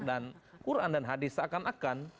dan quran dan hadisa akan akan